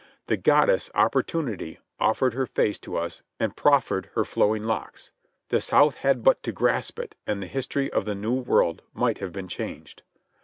The Goddess "Opportunity" offered her face to us and proffered her flowing locks. The South had but to grasp it and the history of the New World might have been changed.